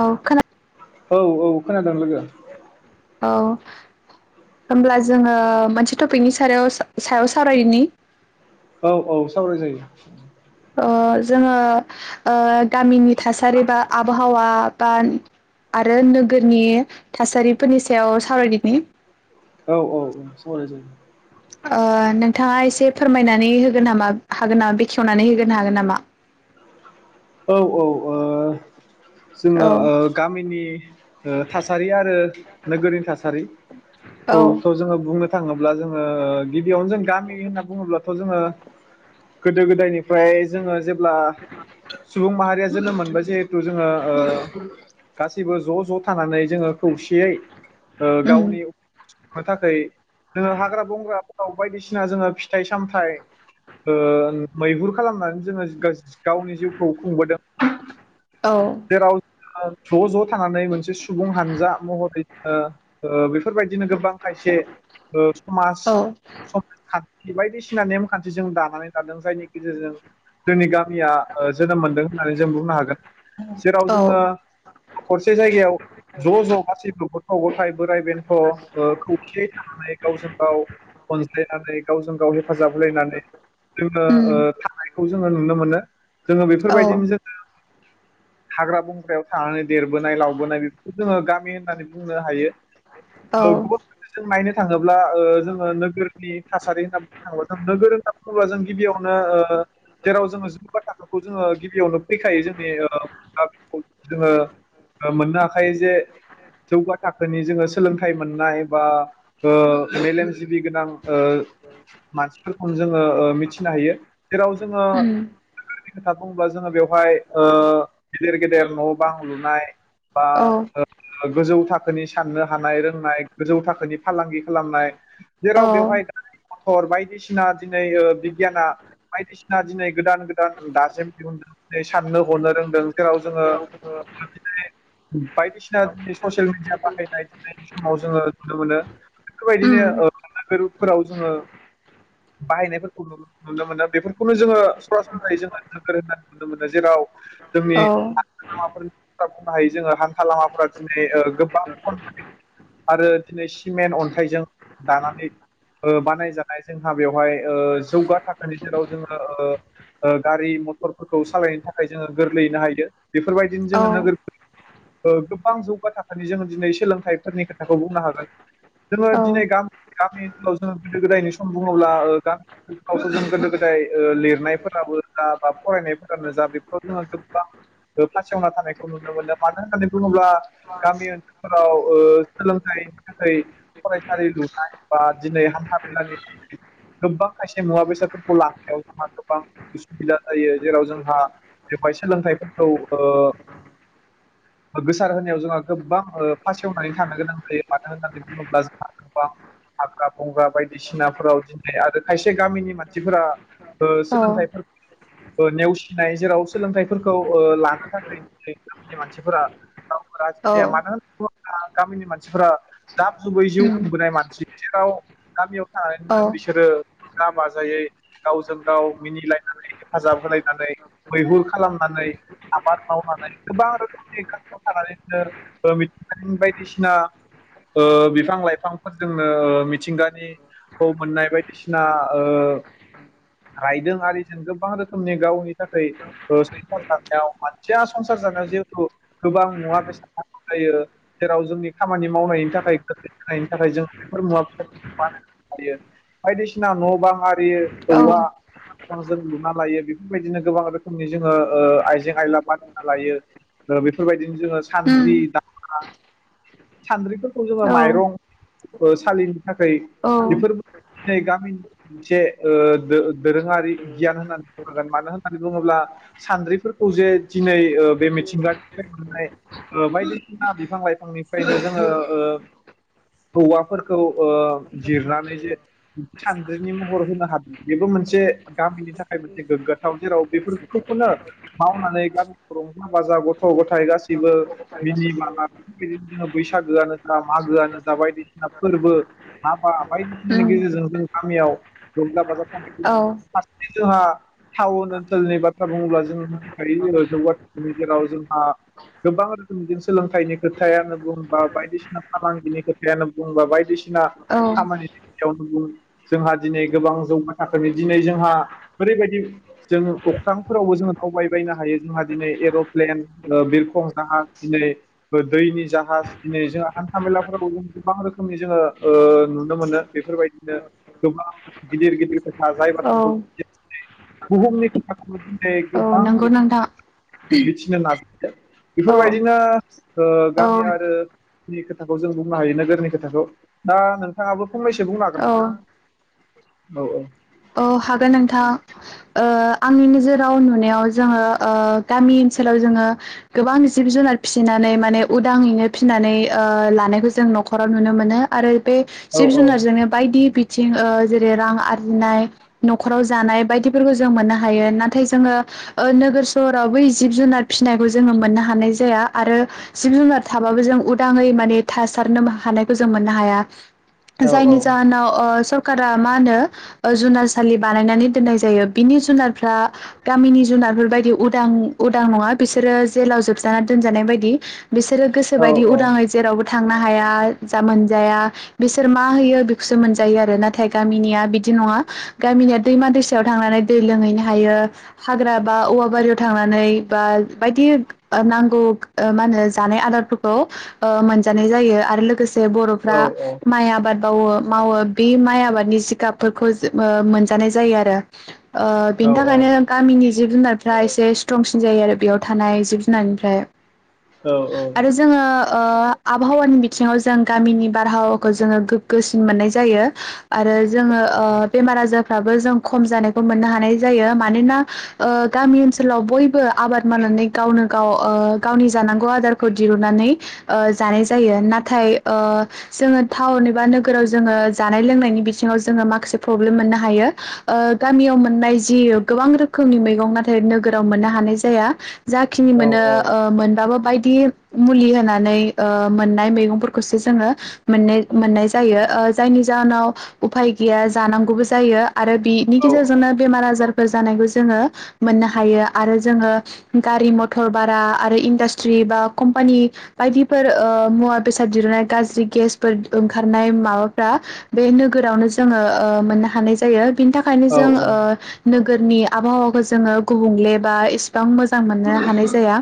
औ खोनादों औ औ खोनादों लोगो औ होनब्ला जोङो मोनसे टपिकनि सायाव सायाव सावरायनि औ औ सावराय जायो ओ जोङो ओ गामिनि थासारि बा आबहावा बा आरो नोगोरनि थासारिफोरनि सायाव सावरायदिनि औ औ औ सावराय जायो ओ नोंथाङा एसे फोरमायनानै होगोन नामा हागोन नामा बेखेवनानै होगोन हागोन नामा औ औ ओ औ जोङो अ गामिनि ओ थासारि आरो नोगोरनि औ थासारिखौखौ थ' जोङो बुंनो थाङोब्ला जोङो गिबियावनो जों गामि होनना बुङोब्लाथ' जोङो गोदो गोदायनिफ्राय जोङो जेब्ला आ सुबुं माहारिया जोनोम मोनबाय जिहेथु जोङो ओ गा सिबो ज' ज' थानानै जोङो खौसेयै ओ उम गावनि थाखाय जोङो हाग्रा बंग्राफोराव बायदिसिना जोङो फि थाइ सामथाइ ओ मैहुर खालामनानै जोङो गावनि जिउखौ खुंबोदों औ जेराव ज' ज' थांनानै मोन से सुबुं हानजा महरै बेफोरबायदिनो गोबां खायसे ओ समाज औ बायदिसिना नेम खान्थि जों दानानै थादों जायनि गेजेरजों जोंनि गामि जोनोम मोनदों होननानै जों बुंनो हागोन जेराव औ जोङो खरसे जायगायाव ज' ज' गासैफोरखौ औ [unintelligible] बोराइ बेन्थ' खौसेयै थानानै गावजों गाव अनज्लायनानै गावजों गाव हेफाजाब होलायनानै जोङो उम थानायखौ जोङो नुनो मोनो जोङो औ बेफोरबायदिनो जोङो हाग्रा बंग्रायाव थानानै देरबोनाय लावबोनाय बेफोरखौ जोङो गामि होननानै बुंनो हायो औ गुबुन [unintelligible] माइनो थांङो जोङो नोगोरनि थासारि होनना बुङो [unintelligible] [unintelligible] जों गिबियावनो जेराव जोङो जेबा थाखो जोङो गिबियावनो फैखायो जोंनि जोङो मोननो हाखायो जे जौगा थाखोनि जोङो सोलोंथाइ मोननाय बा मेलेमजिबि गोनां मानसिफोरखौनो जोङो मिथिनो हायो जेराव जोङो उम खोथा बुङोब्ला जोङो बेवहाय गेदिर गेदेर न' बां लुनाय बा औ गोजौ थाखो थाखोनि साननो हानाय रोंनाय गोजौ थाखोनि फालांगि खालामनाय औ जेराव बेवहाय गारि मटर बायदि [unintelligible] दिनै बिगियाना बायदिसिना दिनै गोदान गो [unintelligible] दिनै साननो हनो रों जेराव जोङो बायदिसिना दिनै ससियेल मिडिया बाहायनायनायनि समाव जोङो नुनो मोनो उम बेफोरबायदिनो नोगोरफोराव जोङो बाहायनायफोरखौ नु नुनो मोनो बेफोरखौनो जोङो सरासरस्रायै जोङो नोगोर होननानै नुनो मोनो जेराव औ [unintelligible] बुंनो हायो जोङो हान्था लामाफोरा दिनै गोबां खन आरो दिनै सिमेन्ट अन्थाइजों दानानै बानायजानाय जोंहा बेवहाय जौगा थाखोनि जेराव जोङो गारि मथरफोरखौ सालायनो थाखाय जोङो गोरलैयैनो हायदो बेफोरबायदिनो औ जोङो नोगोर गोबां जौगा थाखोनि जोङो दिनै सोलोंथाइफोरनि खोथाखौ बुंनो हागोन जोङो दिनै औ गामि गामि जो गोदो गोदायनि सम बुङोब्ला गामिफ्रावसो जों गोदो गोदाय ओ लिरनायफोराबो जा बा फरायनायफोरानो जा बेफोराव जोङो गोबां फासयना थानायखौ नुनो मोनो मानो होननानै बुङोब्ला गामि ओनसोलफोराव ओ सोलोंथाइनि थाखाय फरायसालि लुनाय बा दिनै हान्था मेलानि थाखाय गोबां खायसे मुवा बेसादफोरखौ लानायाव जोंहा गोबां उसुबिदा जायो जेराव जोंहा बेवहाय सोलोंथाइफोरखौ ओ गोसार होनायाव जोंहा गोबां ओ फासेवनानै थानो गोनां जायो मानो होननानै बुङोब्ला जोंहा गोबां हाग्रा बंग्रा बायदिसिनाफोराव दिनै आरो खायसे गामिनि मानसिफोरा ओ औ सोलोंथाइफोर नेवसिनाय जेराव सोलोंथाइफोरखौ ओ लानो थाखाय दिनै गामिनि मानसिफोरा औ [unintelligible] गामिनि मानसिफोरा दाब जुबै जिउ उम खुंबोनाय मानसि जेराव गामियाव औ आ बिसोरो रंजा बाजायै गावजों गाव मिनिलायनानै हेफाजाब होलायनानै मैहुर खालामनानै आबाद मावनानै गोबां रोखोमनि ओंखामखौ थानानैनो मिथिंगानि बायदिसिना ओ बिफां लाइफांफोरजोंनो मिथिंगानिखौ मोननाय बायदिसिना रायदों आरिजों गोबां रोखोमनि गावनि थाखाय ओ जानायाव मानसिया संसार जानायाव जिहेथु गोबां मुवा बेसाद नांगौ जायो जेराव जोंनि खामानि मावनायनि थाखाय गोखै होनायनि थाखाय जों बेफोर मुवा बेसादफोरखौ बानायो हायो बायदिसिना न' बां आरि यो औ औवा जों लुना लायो बेफोरबायदिनो गोबां रोखोमनि जोङो ओ आइजें आइला बना लायो बेफोरबायदि जोङो उम सानद्रि दा सान्द्रिफोरखौ जोङो औ माइरं सालिनि थाखाय औ उम बेफोरबो दिै गामिनि मोनसे दो-दोरोङारि गियान होननानै बुं हागोन मानो होन होननानै बुङोब्ला सानद्रिफोरखौ जे दिनै ओ बे मिथिंगानिफ्राय मोननाय ओ बायदिसिना बिफां लाइफांनिफ्रायनो जोङो ओ हौवाफोरखौ ओ जिरनानै जे सान्द्रिनि महर होनो हादों बेबो मोनसे गामिनि था [unintelligible] थाव जेराव बेफोरखौनो मावनानै गामिखौ रंजा बाजा गथ' ग' थाइ गासिबो मिनि बाला बेफोरबायदिनो जोङो बैसागोआनो जा मागोआनो जा बायदिसिना फोरबो हाबा बायदिसिनानि गेजेरजों जों गामियाव रंजा औ बाजा [unintelligible] हा टाउन ओनसोलनि बाथ्रा बुङोब्ला जों मिथिखायो जौगा थाखोनि गेजेराव जोंहा गोबां रोखोमनि सोलोंथाइनि खोथायानो बुं बा बायदिसिना फालांगिनि खोथायानो बुं बा बायदिसिना खामानिनि खोथायावनो बुं जोंहा दिनै गोबां जौगा थाखोनि दिनै जोंहा ओरैबायदि जों अख्रांफोरावबो जोंङ दावबायबायनो हायो जोंहा दिनै एर'प्लेन ओ बिरखं जाहाज दिनै दैनि जाहाज दिनै जोंहा हान्थाामेलाफोरावबो गोबां रोखोमनि जोङो ओ नुनो मोनो बेफोरबायदिनो गोबां गिदिर गिदिर औ [unintelligible] बुहुमनि [unintelligible] औ गोबां नंगौ रोखोमनि नोंथां मिथिनो नागिरदों औ बेफोरबायदिनो ओ गामि औ आरो खोथाखौ जों बुंनो हायो नोगोरनि खोथाखौ दा नोंथाङाबो फंनैसो बुंनो हागोन औ नामा औ औ औ हागोन नोंथां ओ आंनि नोजोराव नुनायाव जोङो ओ गामि ओनसोलाव जोङो गोबां जिब जुनार फिसिनानै माने उदाङैनो फिसिनानै ओ लानायखौ जों नखराव नुनो मोनो आरो बे औ जिब औ जुनारजोंनो बायदि बि थिं ओ जेरै रां आरजिनाय नखराव जानाय बायदि बेफोरखौ जों मोननो हायो नाथाय जोङो ओ नोगोर सहराव बै जिब जुनार फिसिनायखौ जोङो मोननो हानाय जाया आरो जिब जुनार थाबाबो जों उदाङै माने थासारनो हानायखौ जों मोननो हाया औ जायनि जाहोनाव ओ सरकारा मा होनो जुनार सालि बानायनानै दोननाय जायो बिनि जुनार फ्रा गामिनि जुनारफोर बायदि उदां उदां नङा बिसोरो जेलाव जोबजाना दोनजानाय बायदि बिसोरो गोसो औ बायदि उदाङै जेरावबो थांनो हाया जा मोनजाया बिसोर मा होयो बेखौसो मोनजायो आरो नाथाय गामिनिया बिदि नङा गामिनिया दैमा दैसायाव थांनानै दै लोंहैनो हायो हाग्रा बा औवा बारियाव थांनानै बा बायदि नांगौ मा होनो जानाय आदारफोरखौ ओ मोनजानाय जायो आरो लोगोसे बर'फ्रा औ माइ आबाद मावो मावो बे माइ आबादनि जिगाबफोरखौ जों मोनजानाय जायो आरो ओ औ बिनि थाखायनो गामिनि जिब जुनार फ्रा एसे स्ट्रंसिन जायो आरो बेयाव थानाय जिब जुनारनिफ्राय औ औ आरो जोङो ओ आबहावानि बिथिङाव जों गामिनि बारहावाखौ जोङो गो गोग्गोसिन मोननाय जायो आरो जोङो ओ बेमार आजारफ्राबो जों खम जानायखौ मोननो हानाय जायो मानोना ओ गामि ओनसोलाव बयबो आबाद मावनानै गावनो गाव ओ गावनि जानांगौ आदारखौ दिरुननानै ओ जानाय जायो ना थाय ओ जोङो टावन एबा नो गोराव जोङो जानाय लोंनायनि बिथिङाव जोङो माखासे प्रब्लेम मोननो हायो ओ गामियाव मोननाय दि गोबां रोखोमनि मैगं नाथाय नोगोराव मोननो हानाय जाया जाखिनि मोनो ओ मोनबाबो बायदि बि मुलि होनानै ओ मोननाय मैगंफोर खौसो जोङो मोननाय मोननाय जायो ओ जायनि जाहोनाव उफाय गैया नांगौबो जायो आरो बिनि गेजेरजोंनो बेमार आजार बो जानायखौ जोङो मोननो हायो आरो जोङो गारि मथर बारा आरो इन्डास्ट्रि बा कम्पानि बायदि फोर ओ मुवा बेसाद दिरुननाय गाज्रि गेसफोर ओंखारनाय माबाफ्रा बे नोगोरावनो जोङो मोननो हानाय जायो बिनि थाखायनो जों ओ नोगोरनि आबहावाखौ जोङो गुबुंले बा एसे बां मोजां मोननो हानाय जाया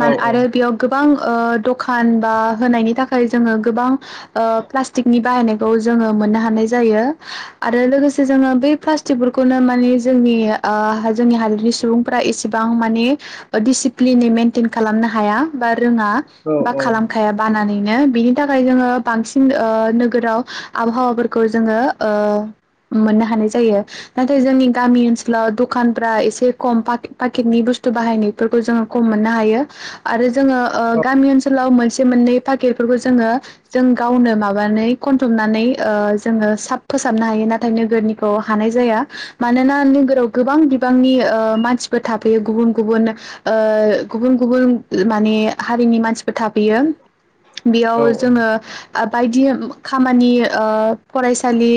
मान आरो बेयाव गो गोबां ओ दखान बा होनायनि थाखाय जोङो गोबां ओ प्लास्टिकनि बाहायनायखौ जोङो मोननो हानाय जायो आरो लोगोसे जोङो बै प्लास्टिकफोरखौनो माने जोंनि ओ जोंनि हादरनि सुबुंफोरा एसेबां माने डिसिप्लिनै मेइेनटइेन खालामनो हाया बा रोङा बा खालामखाया बानानै नो बिनि थाखाय जोङो बांसिन ओ नोगोराव आबहावाफोरखौ जोङो ओ मोननो हानाय जायो नाथाय जोंनि गामि ओनसोल लाव दखानफ्रा एसे खम पाकेट-पाकेटनि बुस्थु बाहायनायफोरखौ जोङो खम मोननो हायो आरो जोङो ओ गामि ओनसोलाव मोनसे से मोननै पाकेटफोरखौ जोङो जों गावनो माबानानै खनथुबनानै ओ जोङो सा फोसाबनो हायो नाथाय नोगोरनिखौ हानाय जाया मानोना नोगोराव गोबां बिबांनि ओ मानसिफोर थाफैयो गुबुन गुबुन ओ गुबुन गुबुन माने हारिनि मानसिफोर थाफैयो बेयाव जोङो ओ बायदि खामानि ओ फरायसा सालि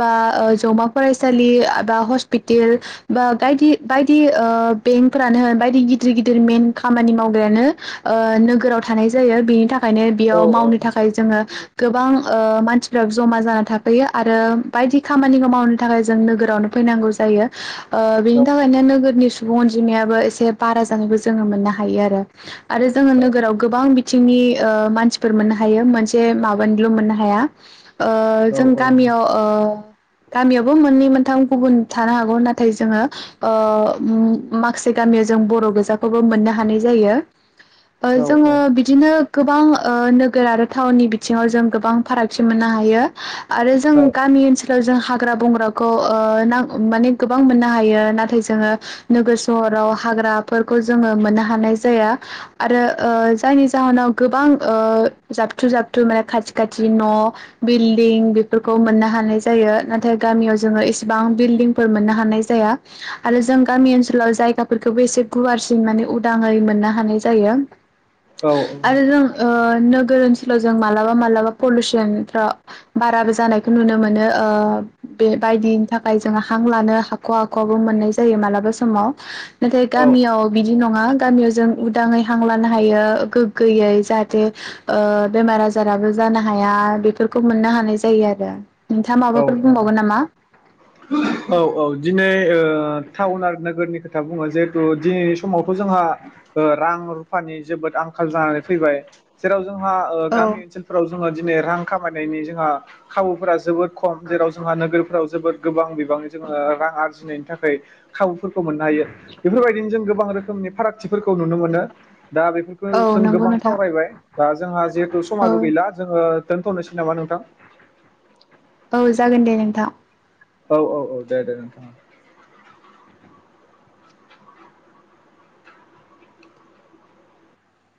बा ओ जौमा फरायसालि बा हस्पिटेल बा गायदि बायदि ओ बेंकफ्रानो होन बायदि गिदिर गिदिर मेन खामानि मावग्रायानो ओ नोगोराव थानाय जायो बेनि थाखायनो बेयाव मावनो थाखाय जोङो गोबां ओ मानसि [unintelligible] जमा जाना था फैयो आरो बायदि खामानिखौ मावनो थाखाय जों नोगोर आवनो फैनांगौ जायो ओ बेनि थाखायनो नोगोरनि सु सुबुं अनजिमायाबो एसे बारा जानायबो जोङो मोननो हायो आरो आरो जोङो नोगोराव गोबां बि बिथिंनि ओ मानसिफोर मोननो हायो मोनसे माबानिल' मोननो हाया ओ जों गामियाव ओ गामियावबो मोननै मोनथाम गुबुन थानो हागौ नाथाय जोङो ओ मा माखासे गामियाव जों बर' गोजाखौबो मोननो हानाय जायो ओ जोङो बिदिनो गोबां ओ नोगोर आरो टाउननि बिथिङाव जों गोबां फारागथि मोननो हायो आरो जों गामि ओनसो जों हाग्रा बंग्राखौ ओ नां माने गोबां मोननो हायो नाथाय जोङो नोगोर सहराव हाग्राफोरखौ जोङो मोननो हानाय जाया आरो ओ जायनि जाहोनाव गोबां ओ जाबथ्रु जाबथ्रु माने खाथि खाथि न' बिल्डिं फोरखौ मोननो हानाय जायो नाथाय गामियाव जोङो एसेबां बिल्डिंफोर मोननो हानाय जाया आरो जों गामि ओनसोलाव जायगाफोरखौबो एसे गुवारसिन माने उदाङै मोननो हानाय जायो आरो रों ओ नों गोर ओनसोलाव जों मालाबा मालाबा पलुसन ओ बाराबो जानायखौ नुनो मोनो ओ बेबायदिनि थाखाय जोङो हां लानो हाख'वा हाख'वाबो मोननाय जायो मालाबा समाव नाथाय गामियाव बिदि नङा गामियावजों उ दाङै हांलानो हायो गोग्गोयै जाहाथे ओ बेमार आजाराबो जानो हाया बेफोरखौ मोननो हानाय जायो आरो [unintelligible] नोंथाङा औ माबाफोर औ बुंबावगोन नामा? औ औ दिनै ओ टाउन आरो नोगोरनिफ्राय खोथा बुङो जिहेथु दिनै समावथ' जोंहा ओ रां रुफानि जोबोद आंखाल जानानै फैबाय जेराव जोंहा ओ गामि ओनसोलफोराव जोङो दिनै रां खामायनायनि जोंहा खाबुफोरा जोबोद खम जेराव जोंहा नोगोरफोराव जोबोद बिबांनि जोङो ओ रां आर आरजिनायनि थाखाय खाव फोरखौ मोननो हायो बेफोरबायदिनो जों गोबां रोख खोमनि फारागथिफोरखौ नुनो मोनो दा बेफोरखौ औ जों नंगौ गोबां नोंथां सावरायबाय दा जोंहा जिहेथु औ समाबो गैला। जोङो दोनथ'नोसै नामा नोंथां? औ जागोन दे नोंथा। औ औ औ दे दे नोंथां ओं